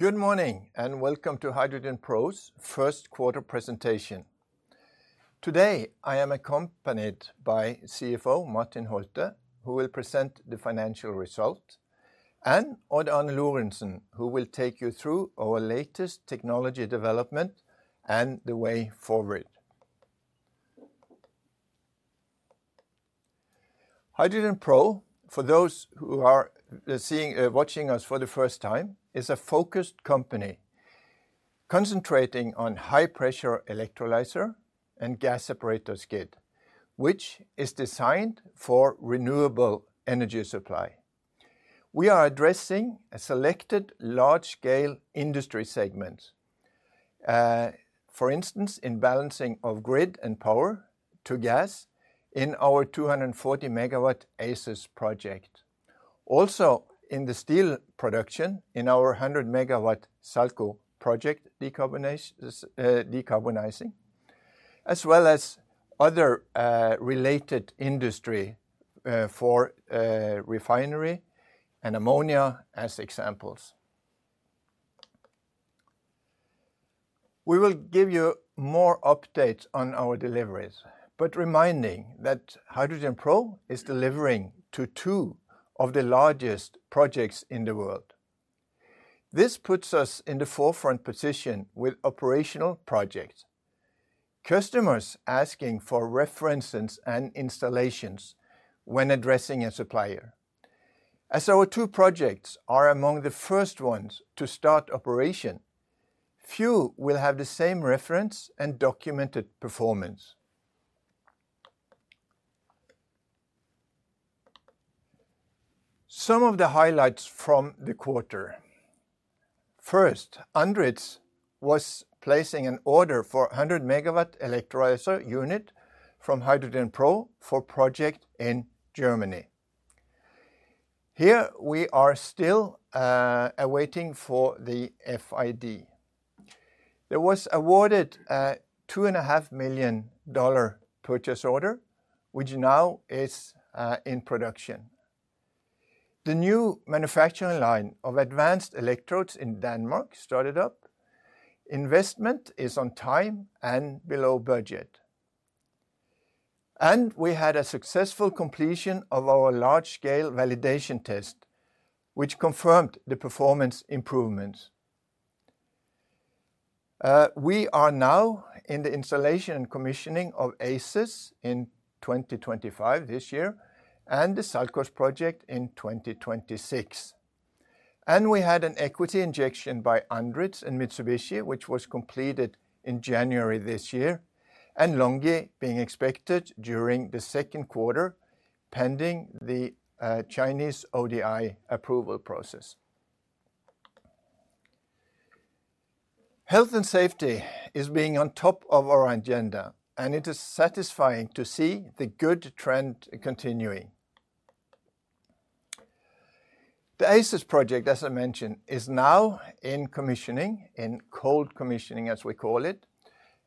Good morning and welcome to HydrogenPro's first quarter presentation. Today I am accompanied by CFO Martin Holtet, who will present the financial result, and Odd-Arne Lorentsen, who will take you through our latest technology development and the way forward. HydrogenPro, for those who are watching us for the first time, is a focused company concentrating on high-pressure electrolyzer and gas separator skid, which is designed for renewable energy supply. We are addressing a selected large-scale industry segment, for instance, in balancing of grid and power to gas in our 240 MW ACES Project. Also, in the steel production in our 100 MW Salcos Project decarbonizing, as well as other related industry for refinery and ammonia as examples. We will give you more updates on our deliveries, but reminding that HydrogenPro is delivering to two of the largest projects in the world. This puts us in the forefront position with operational projects, customers asking for references and installations when addressing a supplier. As our two projects are among the first ones to start operation, few will have the same reference and documented performance. Some of the highlights from the quarter. First, Andritz was placing an order for a 100 MW electrolyzer unit from HydrogenPro for a project in Germany. Here we are still awaiting the FID. There was awarded a $2.5 million purchase order, which now is in production. The new manufacturing line of advanced electrodes in Denmark started up. Investment is on time and below budget. We had a successful completion of our large-scale validation test, which confirmed the performance improvements. We are now in the installation and commissioning of ACES in 2025 this year and the Salcos project in 2026. We had an equity injection by Andritz and Mitsubishi, which was completed in January this year, and Longi are being expected during the second quarter, pending the Chinese ODI approval process. Health and safety is being on top of our agenda, and it is satisfying to see the good trend continuing. The ACES project, as I mentioned, is now in commissioning, in cold commissioning, as we call it,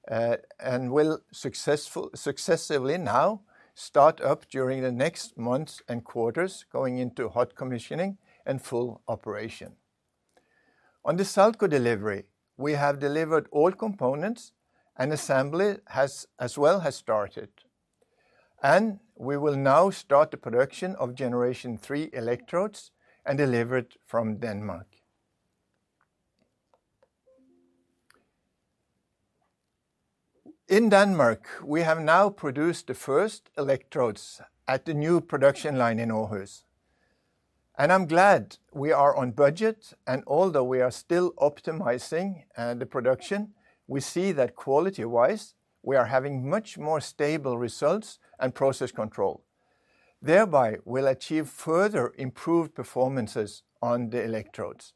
and will successfully now start up during the next months and quarters, going into hot commissioning and full operation. On the Salcos delivery, we have delivered all components, and assembly has as well started. We will now start the production of Generation 3 electrodes and deliver it from Denmark. In Denmark, we have now produced the first electrodes at the new production line in Aarhus. I'm glad we are on budget, and although we are still optimizing the production, we see that quality-wise we are having much more stable results and process control. Thereby, we'll achieve further improved performances on the electrodes.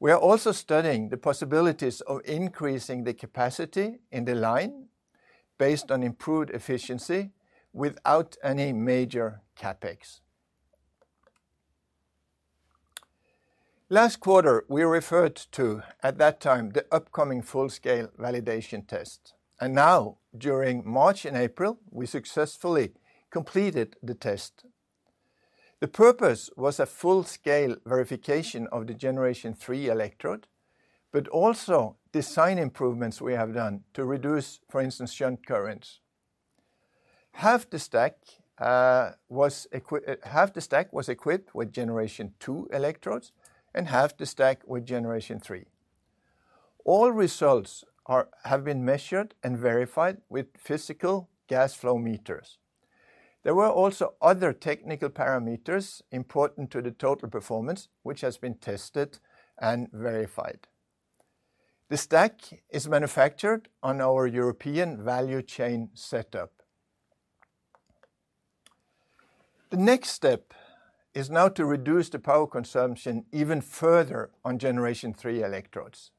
We are also studying the possibilities of increasing the capacity in the line based on improved efficiency without any major CapEx. Last quarter, we referred to, at that time, the upcoming full-scale validation test. Now, during March and April, we successfully completed the test. The purpose was a full-scale verification of the Generation 3 electrode, but also design improvements we have done to reduce, for instance, shunt currents. Half the stack was equipped with Generation 2 electrodes and half the stack with Generation 3. All results have been measured and verified with physical gas flow meters. There were also other technical parameters important to the total performance, which has been tested and verified. The stack is manufactured on our European value chain setup. The next step is now to reduce the power consumption even further on Generation 3 electrodes.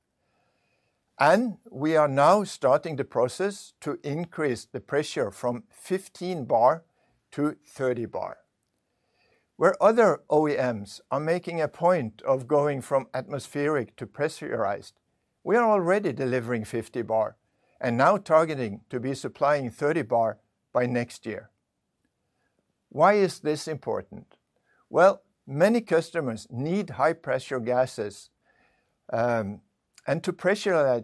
We are now starting the process to increase the pressure from 15 bar to 30 bar. Where other OEMs are making a point of going from atmospheric to pressurized, we are already delivering 50 bar and now targeting to be supplying 30 bar by next year. Why is this important? Many customers need high-pressure gases, and to pressurize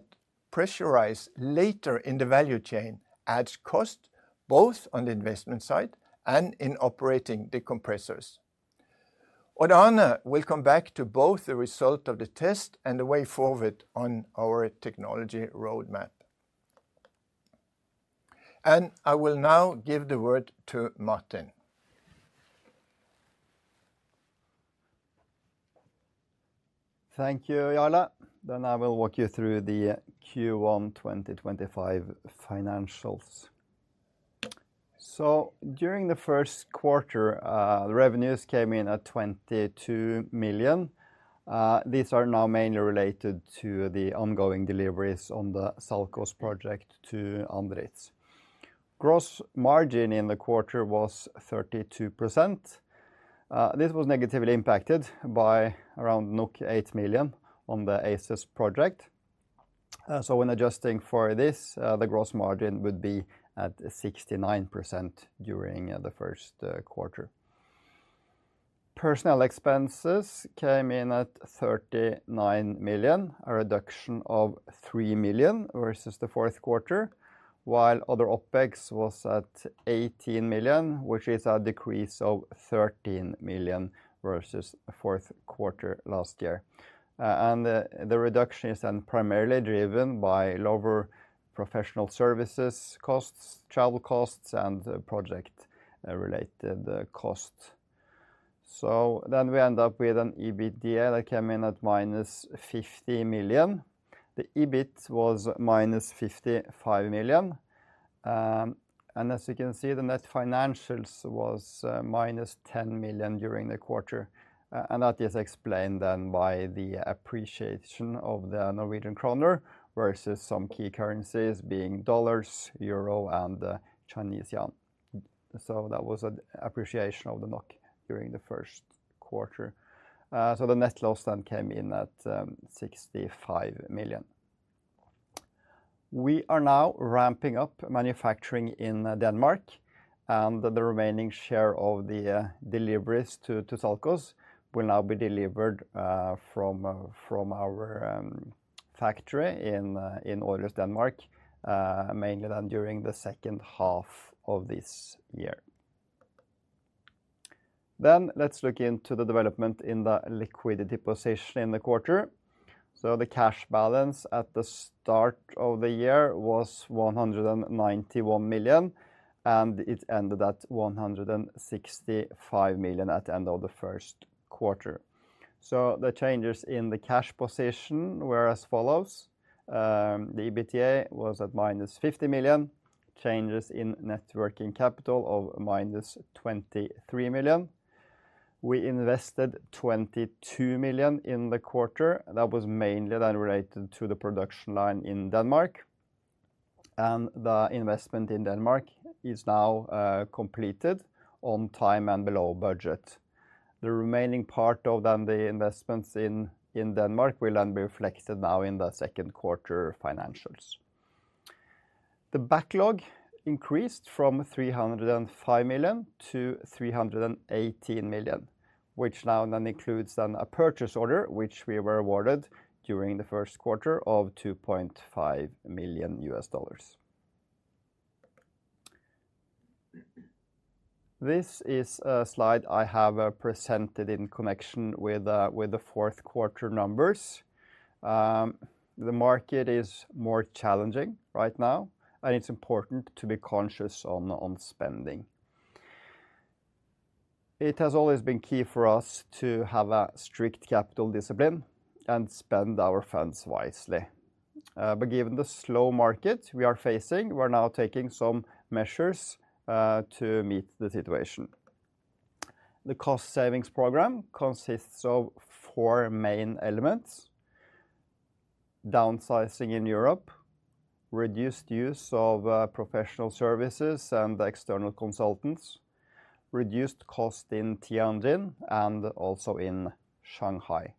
later in the value chain adds cost, both on the investment side and in operating the compressors. Odd-Arne will come back to both the result of the test and the way forward on our technology roadmap. I will now give the word to Martin. Thank you, Jarle. I will walk you through the Q1 2025 financials. During the first quarter, revenues came in at 22 million. These are now mainly related to the ongoing deliveries on the Salcos project to Andritz. Gross margin in the quarter was 32%. This was negatively impacted by around 8 million on the ACES project. When adjusting for this, the gross margin would be at 69% during the first quarter. Personnel expenses came in at 39 million, a reduction of 3 million versus the fourth quarter, while other OpEX was at 18 million, which is a decrease of 13 million versus the fourth quarter last year. The reduction is primarily driven by lower professional services costs, travel costs, and project-related costs. We end up with an EBITDA that came in at minus 50 million. The EBIT was minus 55 million. As you can see, the net financials was minus 10 million during the quarter. That is explained then by the appreciation of the Norwegian kroner versus some key currencies being dollars, euro, and Chinese yuan. That was an appreciation of the NOK during the first quarter. The net loss then came in at 65 million. We are now ramping up manufacturing in Denmark, and the remaining share of the deliveries to Salcos will now be delivered from our factory in Aarhus, Denmark, mainly during the second half of this year. Let's look into the development in the liquidity position in the quarter. The cash balance at the start of the year was 191 million, and it ended at 165 million at the end of the first quarter. The changes in the cash position were as follows. The EBITDA was at minus 50 million, changes in networking capital of minus 23 million. We invested 22 million in the quarter. That was mainly then related to the production line in Denmark. The investment in Denmark is now completed on time and below budget. The remaining part of then the investments in Denmark will then be reflected now in the second quarter financials. The backlog increased from 305 million to 318 million, which now then includes then a purchase order which we were awarded during the first quarter of $2.5 million. This is a slide I have presented in connection with the fourth quarter numbers. The market is more challenging right now, and it's important to be conscious on spending. It has always been key for us to have a strict capital discipline and spend our funds wisely. Given the slow market we are facing, we're now taking some measures to meet the situation. The cost savings program consists of four main elements: downsizing in Europe, reduced use of professional services and external consultants, reduced cost in Tianjin, and also in Shanghai.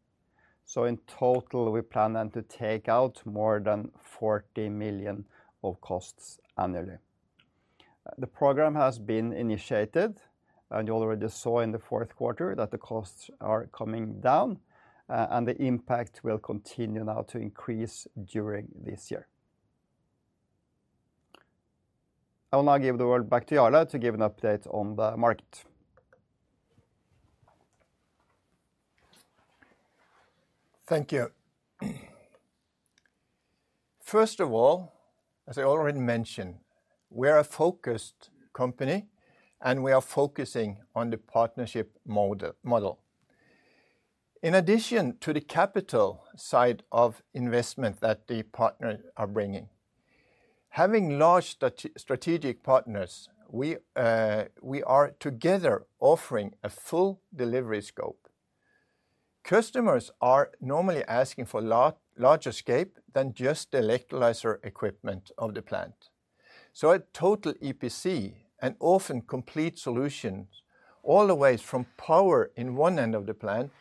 In total, we plan then to take out more than 40 million of costs annually. The program has been initiated, and you already saw in the fourth quarter that the costs are coming down, and the impact will continue now to increase during this year. I will now give the word back to Jarle to give an update on the market. Thank you. First of all, as I already mentioned, we're a focused company, and we are focusing on the partnership model. In addition to the capital side of investment that the partners are bringing, having large strategic partners, we are together offering a full delivery scope. Customers are normally asking for larger scale than just the electrolyzer equipment of the plant. A total EPC and often complete solutions, all the way from power in one end of the plant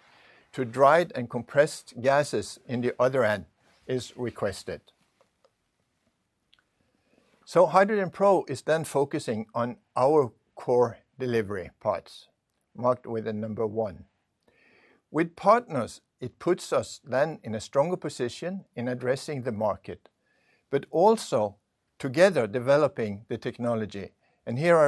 to dried and compressed gases in the other end, is requested. HydrogenPro is then focusing on our core delivery parts marked with the number one. With partners, it puts us then in a stronger position in addressing the market, but also together developing the technology. Here I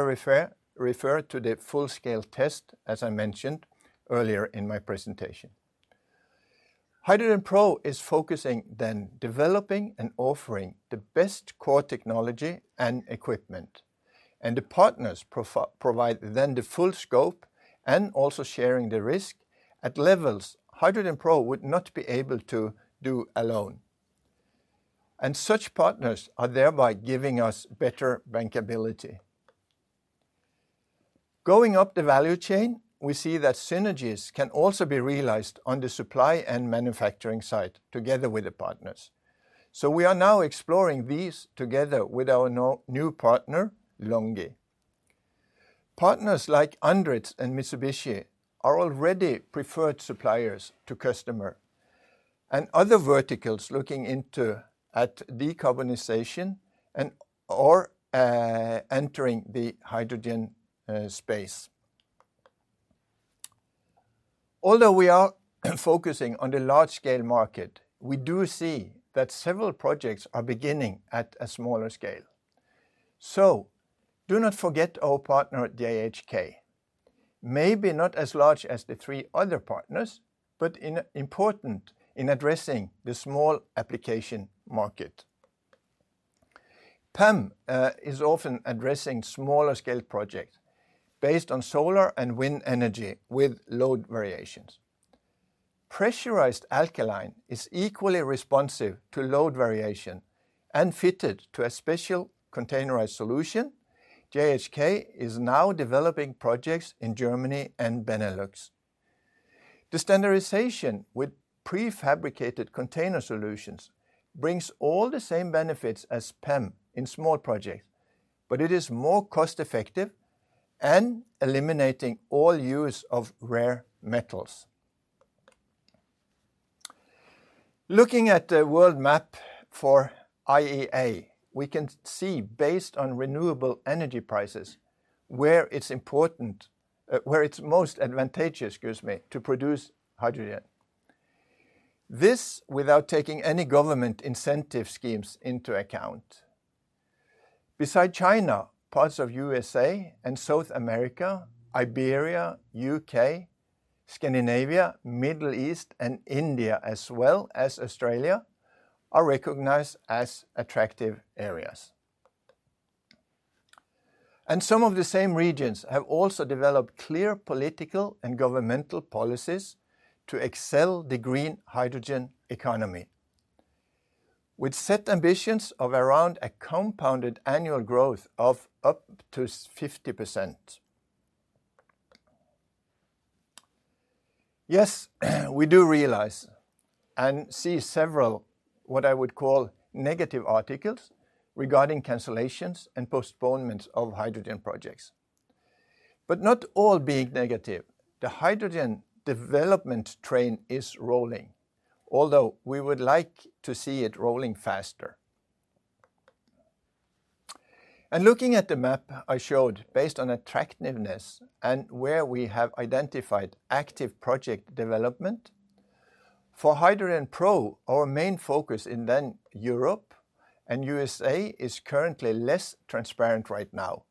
refer to the full-scale test, as I mentioned earlier in my presentation. HydrogenPro is focusing then developing and offering the best core technology and equipment. The partners provide then the full scope and also sharing the risk at levels HydrogenPro would not be able to do alone. Such partners are thereby giving us better bankability. Going up the value chain, we see that synergies can also be realized on the supply and manufacturing side together with the partners. We are now exploring these together with our new partner, Longi. Partners like Andritz and Mitsubishi are already preferred suppliers to customers. Other verticals looking into decarbonization and/or entering the hydrogen space. Although we are focusing on the large-scale market, we do see that several projects are beginning at a smaller scale. Do not forget our partner, JHK. Maybe not as large as the three other partners, but important in addressing the small application market. PEM is often addressing smaller-scale projects based on solar and wind energy with load variations. Pressurized alkaline is equally responsive to load variation and fitted to a special containerized solution. JHK is now developing projects in Germany and Benelux. The standardization with prefabricated container solutions brings all the same benefits as PEM in small projects, but it is more cost-effective and eliminating all use of rare metals. Looking at the world map for IEA, we can see based on renewable energy prices where it's important, where it's most advantageous, excuse me, to produce hydrogen. This without taking any government incentive schemes into account. Beside China, parts of the U.S.A. and South America, Iberia, U.K., Scandinavia, Middle East, and India, as well as Australia, are recognized as attractive areas. Some of the same regions have also developed clear political and governmental policies to excel the green hydrogen economy, with set ambitions of around a compounded annual growth of up to 50%. Yes, we do realize and see several what I would call negative articles regarding cancellations and postponements of hydrogen projects. Not all being negative. The hydrogen development train is rolling, although we would like to see it rolling faster. Looking at the map I showed based on attractiveness and where we have identified active project development, for HydrogenPro, our main focus in then Europe and USA is currently less transparent right now,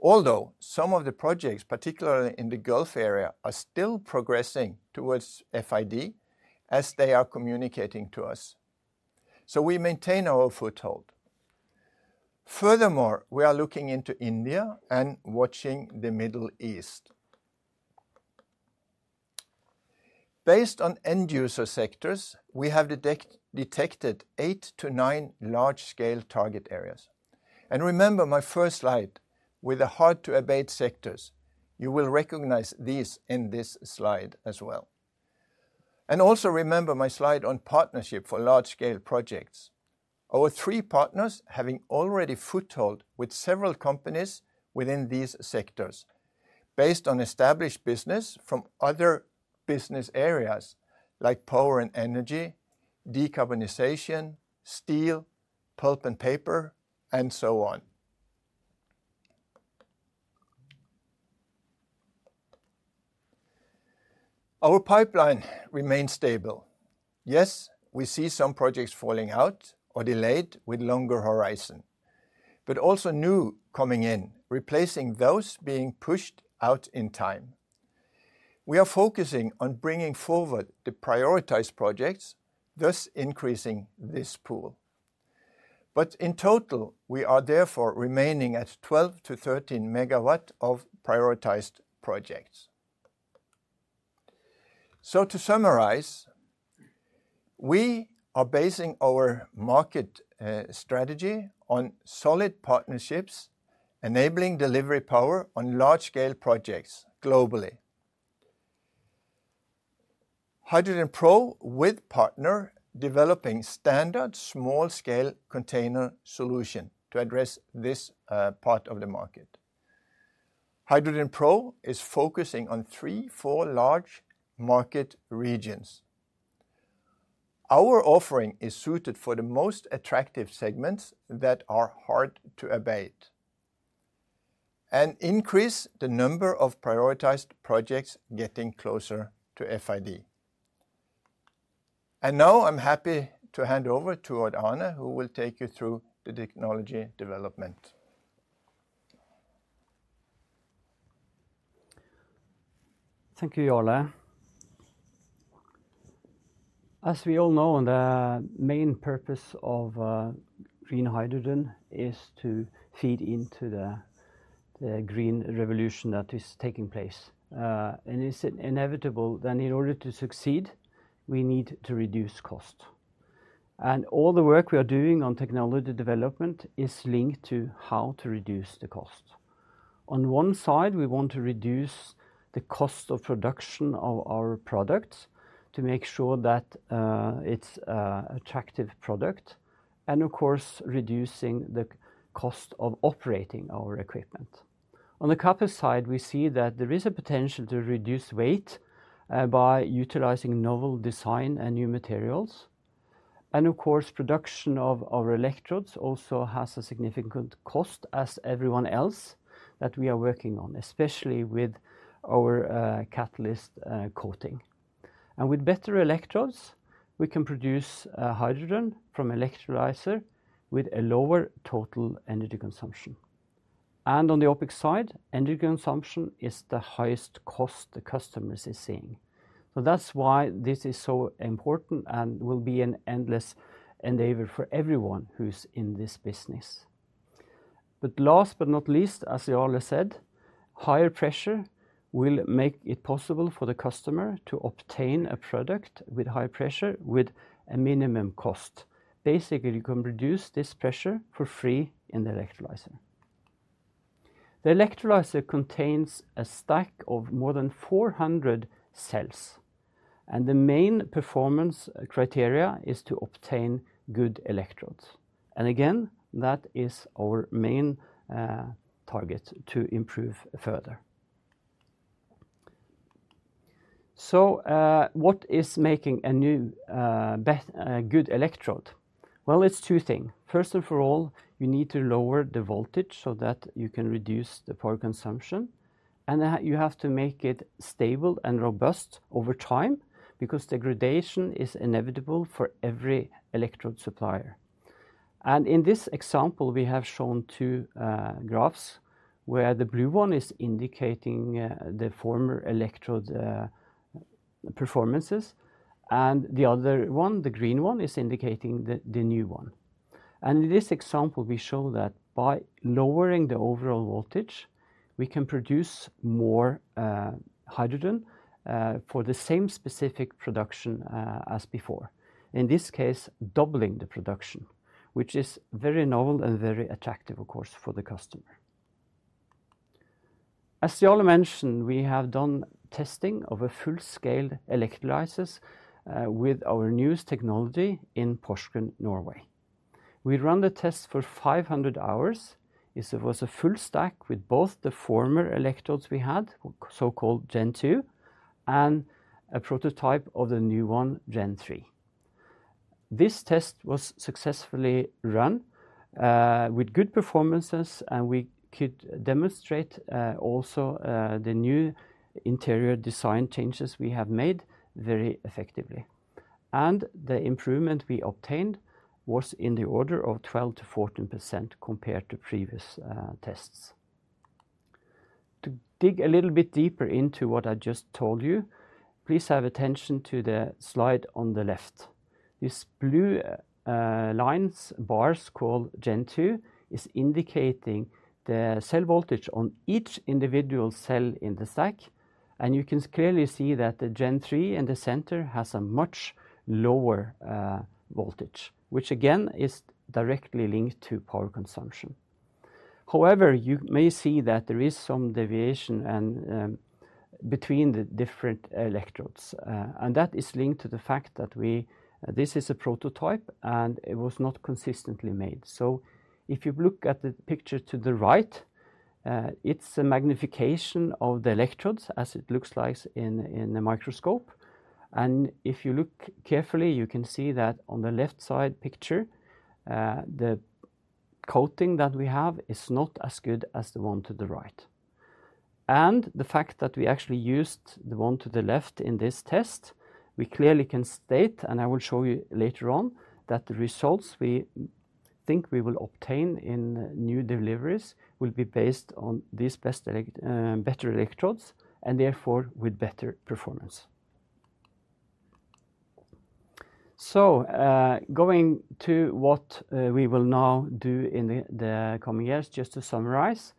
although some of the projects, particularly in the Gulf area, are still progressing towards FID as they are communicating to us. We maintain our foothold. Furthermore, we are looking into India and watching the Middle East. Based on end-user sectors, we have detected eight to nine large-scale target areas. Remember my first slide with the hard-to-abate sectors. You will recognize these in this slide as well. Also remember my slide on partnership for large-scale projects. Our three partners have already foothold with several companies within these sectors based on established business from other business areas like power and energy, decarbonization, steel, pulp and paper, and so on. Our pipeline remains stable. Yes, we see some projects falling out or delayed with longer horizon, but also new coming in, replacing those being pushed out in time. We are focusing on bringing forward the prioritized projects, thus increasing this pool. In total, we are therefore remaining at 12-13 megawatt of prioritized projects. To summarize, we are basing our market strategy on solid partnerships, enabling delivery power on large-scale projects globally. HydrogenPro with partner developing standard small-scale container solution to address this part of the market. HydrogenPro is focusing on three, four large market regions. Our offering is suited for the most attractive segments that are hard to abate and increase the number of prioritized projects getting closer to FID. I am happy to hand over to Arne, who will take you through the technology development. Thank you, Jarle. As we all know, the main purpose of green hydrogen is to feed into the green revolution that is taking place. It is inevitable that in order to succeed, we need to reduce cost. All the work we are doing on technology development is linked to how to reduce the cost. On one side, we want to reduce the cost of production of our products to make sure that it is an attractive product and, of course, reducing the cost of operating our equipment. On the other side, we see that there is a potential to reduce weight by utilizing novel design and new materials. Of course, production of our electrodes also has a significant cost, as everyone else that we are working on, especially with our catalyst coating. With better electrodes, we can produce hydrogen from electrolyzer with a lower total energy consumption. On the opposite side, energy consumption is the highest cost the customers are seeing. That is why this is so important and will be an endless endeavor for everyone who's in this business. Last but not least, as Jarle said, higher pressure will make it possible for the customer to obtain a product with high pressure with a minimum cost. Basically, you can reduce this pressure for free in the electrolyzer. The electrolyzer contains a stack of more than 400 cells, and the main performance criteria is to obtain good electrodes. Again, that is our main target to improve further. What is making a new good electrode? It is two things. First and for all, you need to lower the voltage so that you can reduce the power consumption. You have to make it stable and robust over time because degradation is inevitable for every electrode supplier. In this example, we have shown two graphs where the blue one is indicating the former electrode performances and the other one, the green one, is indicating the new one. In this example, we show that by lowering the overall voltage, we can produce more hydrogen for the same specific production as before. In this case, doubling the production, which is very novel and very attractive, of course, for the customer. As Jarle mentioned, we have done testing of full-scale electrolyzers with our newest technology in Porsgrunn, Norway. We ran the test for 500 hours. It was a full stack with both the former electrodes we had, so-called Gen 2, and a prototype of the new one, Gen 3. This test was successfully run with good performances, and we could demonstrate also the new interior design changes we have made very effectively. The improvement we obtained was in the order of 12-14% compared to previous tests. To dig a little bit deeper into what I just told you, please have attention to the slide on the left. These blue lines, bars called Gen 2, are indicating the cell voltage on each individual cell in the stack. You can clearly see that the Gen 3 in the center has a much lower voltage, which again is directly linked to power consumption. However, you may see that there is some deviation between the different electrodes. That is linked to the fact that this is a prototype and it was not consistently made. If you look at the picture to the right, it's a magnification of the electrodes as it looks like in the microscope. If you look carefully, you can see that on the left side picture, the coating that we have is not as good as the one to the right. The fact that we actually used the one to the left in this test, we clearly can state, and I will show you later on, that the results we think we will obtain in new deliveries will be based on these better electrodes and therefore with better performance. Going to what we will now do in the coming years, just to summarize,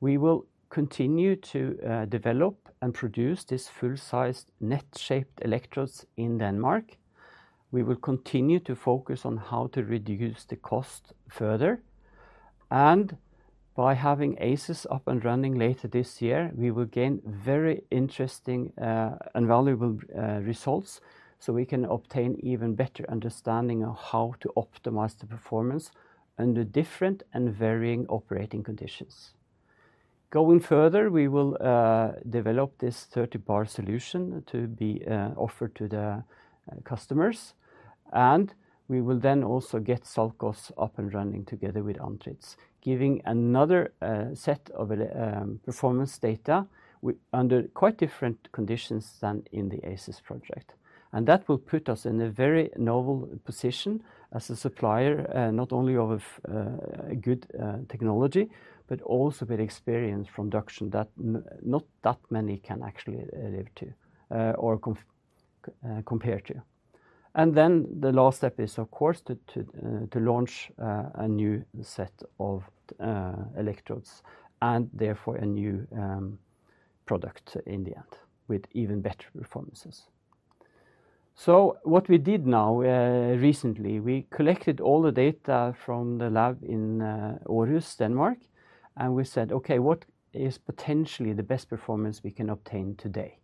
we will continue to develop and produce these full-sized net-shaped electrodes in Denmark. We will continue to focus on how to reduce the cost further. By having ACES up and running later this year, we will gain very interesting and valuable results so we can obtain even better understanding of how to optimize the performance under different and varying operating conditions. Going further, we will develop this 30-bar solution to be offered to the customers. We will then also get Salcos up and running together with Andritz, giving another set of performance data under quite different conditions than in the ACES project. That will put us in a very novel position as a supplier, not only of good technology, but also with experience from production that not that many can actually live to or compare to. The last step is, of course, to launch a new set of electrodes and therefore a new product in the end with even better performances. What we did now recently, we collected all the data from the lab in Aarhus, Denmark, and we said, okay, what is potentially the best performance we can obtain today?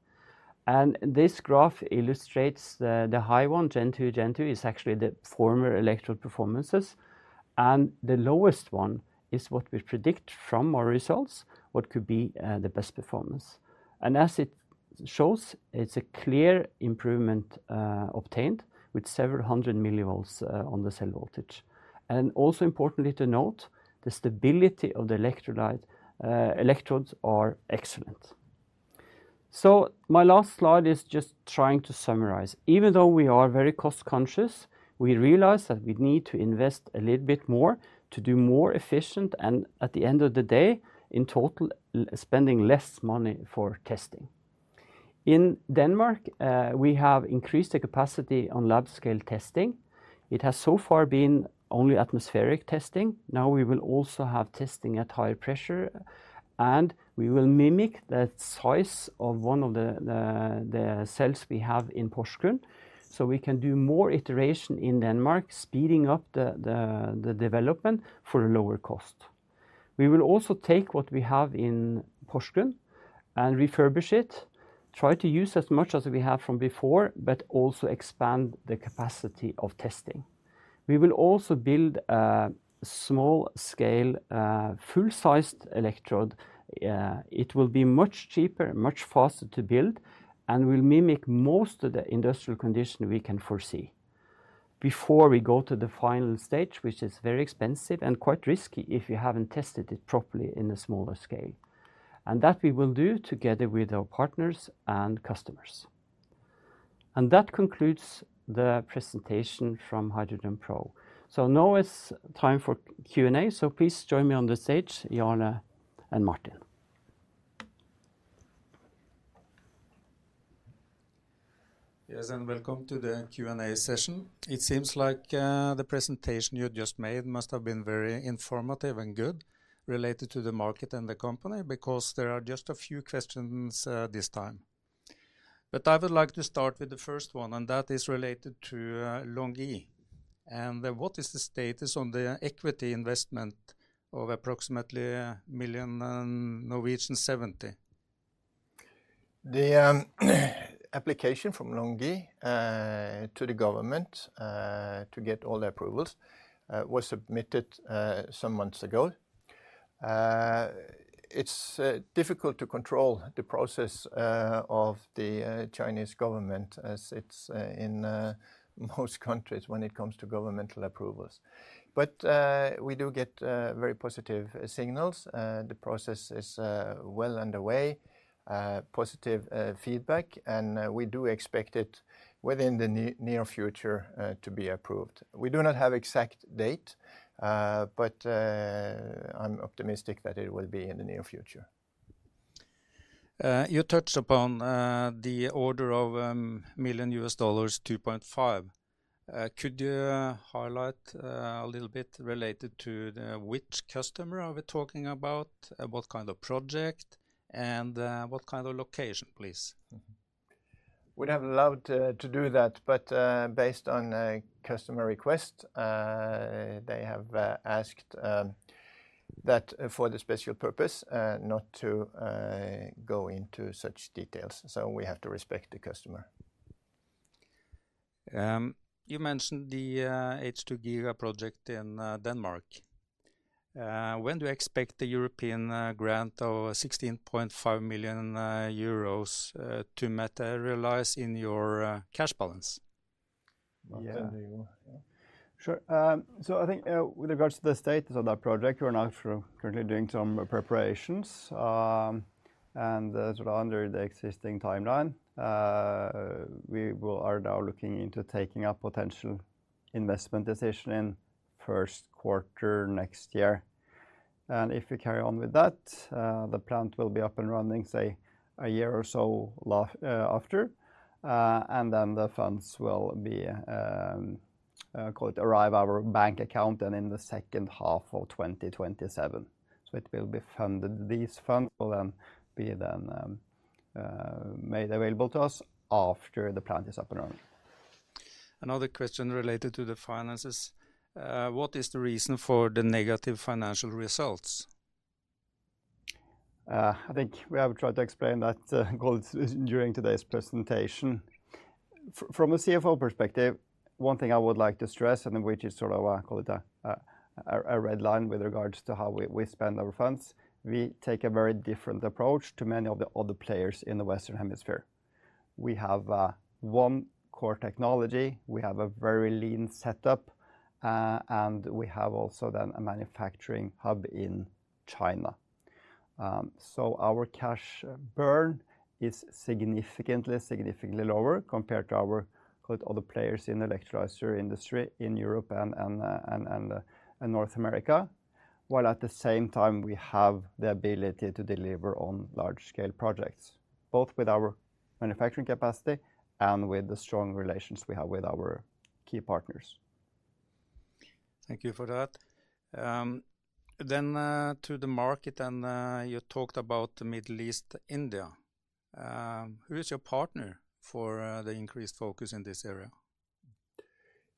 This graph illustrates the high one, Gen 2. Gen 2 is actually the former electrode performances. The lowest one is what we predict from our results, what could be the best performance. As it shows, it is a clear improvement obtained with several hundred millivolts on the cell voltage. Also, importantly to note, the stability of the electrodes is excellent. My last slide is just trying to summarize. Even though we are very cost-conscious, we realize that we need to invest a little bit more to do more efficient and at the end of the day, in total, spending less money for testing. In Denmark, we have increased the capacity on lab-scale testing. It has so far been only atmospheric testing. Now we will also have testing at higher pressure. We will mimic the size of one of the cells we have in Porsgrunn so we can do more iteration in Denmark, speeding up the development for a lower cost. We will also take what we have in Porsgrunn and refurbish it, try to use as much as we have from before, but also expand the capacity of testing. We will also build a small-scale full-sized electrode. It will be much cheaper, much faster to build, and we'll mimic most of the industrial condition we can foresee before we go to the final stage, which is very expensive and quite risky if you haven't tested it properly in a smaller scale. That we will do together with our partners and customers. That concludes the presentation from HydrogenPro. Now it's time for Q&A, so please join me on the stage, Jarle and Martin. Yes, and welcome to the Q&A session. It seems like the presentation you just made must have been very informative and good related to the market and the company because there are just a few questions this time. I would like to start with the first one, and that is related to LONGi. What is the status on the equity investment of approximately 70 million? The application from Longi to the government to get all the approvals was submitted some months ago. It's difficult to control the process of the Chinese government as it's in most countries when it comes to governmental approvals. We do get very positive signals. The process is well underway, positive feedback, and we do expect it within the near future to be approved. We do not have an exact date, but I'm optimistic that it will be in the near future. You touched upon the order of million US dollars, $2.5. Could you highlight a little bit related to which customer are we talking about, what kind of project, and what kind of location, please? We'd have loved to do that, but based on a customer request, they have asked that for the special purpose, not to go into such details. We have to respect the customer. You mentioned the H2Giga project in Denmark. When do you expect the European grant of 16.5 million euros to materialize in your cash balance? Yeah. Sure. I think with regards to the status of that project, we're now currently doing some preparations. Under the existing timeline, we are now looking into taking a potential investment decision in the first quarter next year. If we carry on with that, the plant will be up and running, say, a year or so after. The funds will, I call it, arrive in our bank account in the second half of 2027. It will be funded. These funds will then be made available to us after the plant is up and running. Another question related to the finances. What is the reason for the negative financial results? I think we have tried to explain that, I call it, during today's presentation. From a CFO perspective, one thing I would like to stress, and in which is sort of, I call it, a red line with regards to how we spend our funds, we take a very different approach to many of the other players in the Western Hemisphere. We have one core technology, we have a very lean setup, and we have also then a manufacturing hub in China. Our cash burn is significantly, significantly lower compared to our, I call it, other players in the electrolyzer industry in Europe and North America. While at the same time, we have the ability to deliver on large-scale projects, both with our manufacturing capacity and with the strong relations we have with our key partners. Thank you for that. To the market, and you talked about the Middle East, India. Who is your partner for the increased focus in this area?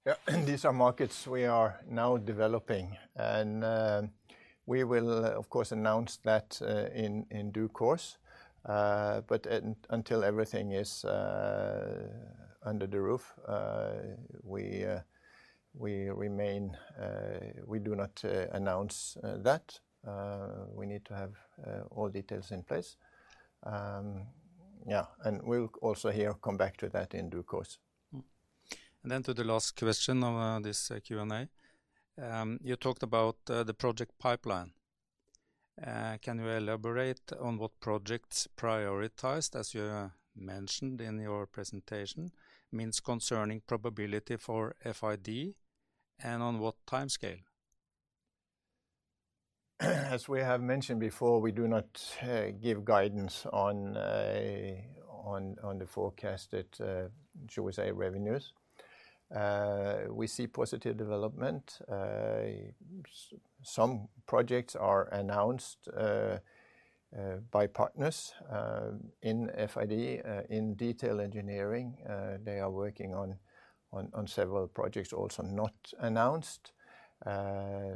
Yeah, these are markets we are now developing. We will, of course, announce that in due course. Until everything is under the roof, we remain, we do not announce that. We need to have all details in place. Yeah, we'll also here come back to that in due course. To the last question of this Q&A. You talked about the project pipeline. Can you elaborate on what projects prioritized, as you mentioned in your presentation, means concerning probability for FID and on what timescale? As we have mentioned before, we do not give guidance on the forecasted revenues. We see positive development. Some projects are announced by partners in FID, in detail engineering. They are working on several projects also not announced. I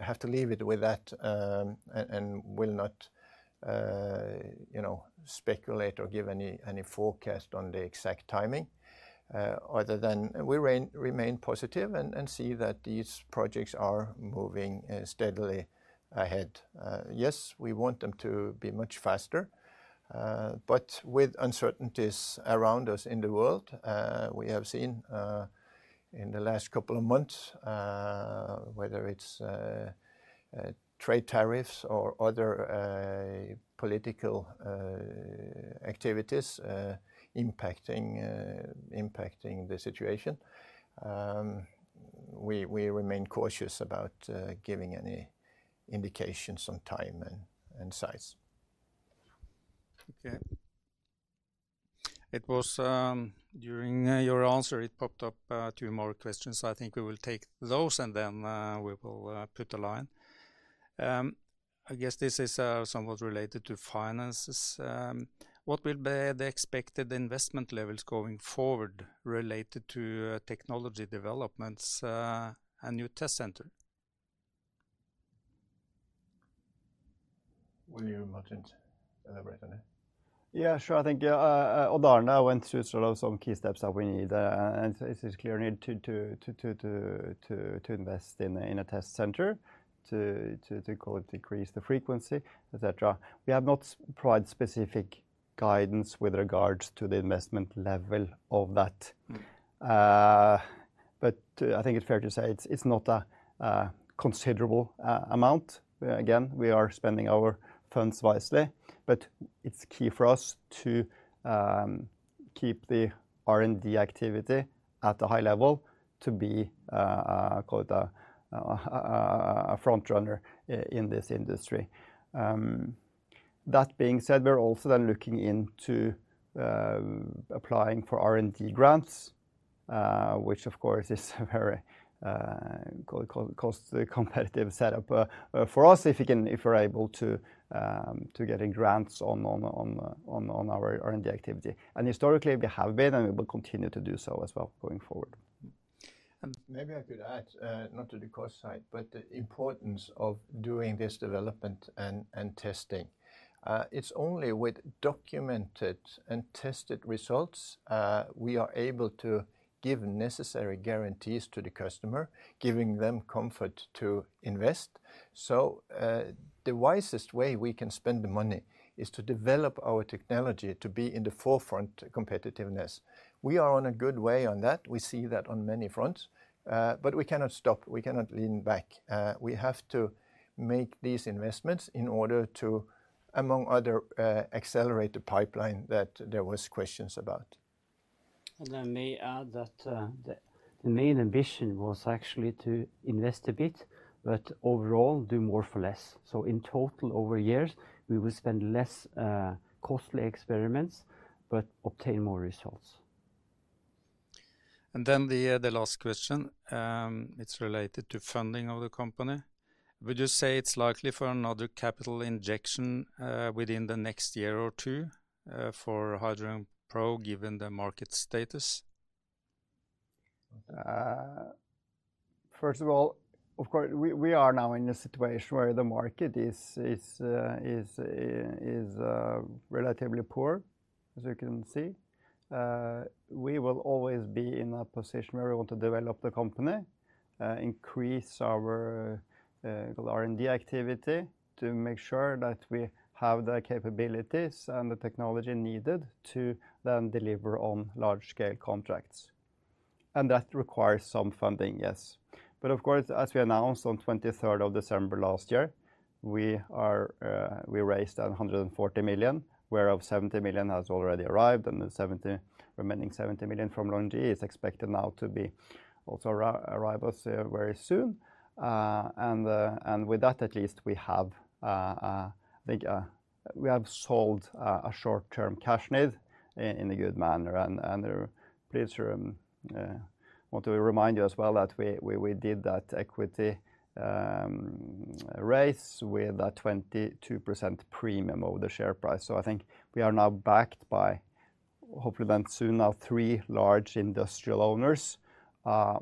have to leave it with that and will not speculate or give any forecast on the exact timing other than we remain positive and see that these projects are moving steadily ahead. Yes, we want them to be much faster. With uncertainties around us in the world, we have seen in the last couple of months, whether it's trade tariffs or other political activities impacting the situation, we remain cautious about giving any indications on time and size. Okay. It was during your answer, it popped up two more questions. I think we will take those and then we will put a line. I guess this is somewhat related to finances. What will be the expected investment levels going forward related to technology developments and new test center? Will you elaborate on that? Yeah, sure. I think Odd-Arne went through sort of some key steps that we need. It is clear we need to invest in a test center to, I call it, decrease the frequency, etc. We have not provided specific guidance with regards to the investment level of that. I think it is fair to say it is not a considerable amount. Again, we are spending our funds wisely. It is key for us to keep the R&D activity at a high level to be, I call it, a front runner in this industry. That being said, we are also then looking into applying for R&D grants, which of course is a very, I call it, cost-competitive setup for us if we are able to get grants on our R&D activity. Historically, we have been and we will continue to do so as well going forward. Maybe I could add, not to the cost side, but the importance of doing this development and testing. It is only with documented and tested results we are able to give necessary guarantees to the customer, giving them comfort to invest. The wisest way we can spend the money is to develop our technology to be in the forefront of competitiveness. We are on a good way on that. We see that on many fronts. We cannot stop. We cannot lean back. We have to make these investments in order to, among other, accelerate the pipeline that there were questions about. The main ambition was actually to invest a bit, but overall do more for less. In total, over years, we will spend less on costly experiments, but obtain more results. The last question, it's related to funding of the company. Would you say it's likely for another capital injection within the next year or two for HydrogenPro, given the market status? First of all, of course, we are now in a situation where the market is relatively poor, as you can see. We will always be in a position where we want to develop the company, increase our R&D activity to make sure that we have the capabilities and the technology needed to then deliver on large-scale contracts. That requires some funding, yes. Of course, as we announced on 23rd of December last year, we raised 140 million, whereof 70 million has already arrived, and the remaining 70 million from LONGi is expected now to also arrive to us very soon. With that, at least, I think we have solved a short-term cash need in a good manner. I want to remind you as well that we did that equity raise with a 22% premium of the share price. I think we are now backed by, hopefully then soon, three large industrial owners,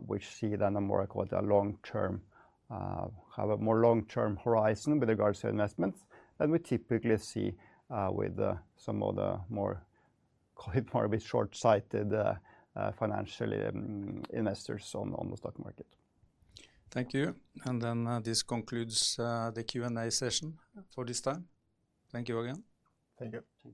which see then a more long-term, have a more long-term horizon with regards to investments than we typically see with some of the more, I call it, more short-sighted financial investors on the stock market. Thank you. This concludes the Q&A session for this time. Thank you again. Thank you.